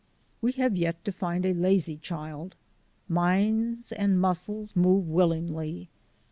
We have yet to find a lazy child. Minds and muscles move willingly.